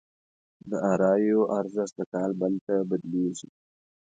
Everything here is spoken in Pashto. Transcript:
داراییو ارزښت له کال بل ته بدلېږي.